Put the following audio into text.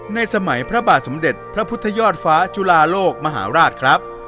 สมัยพระบาทสมเด็จพระพุทธยอดฟ้าจุลาโลกมหาราชครับ